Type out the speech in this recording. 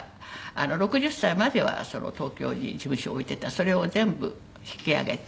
６０歳までは東京に事務所を置いてたそれを全部引き揚げて。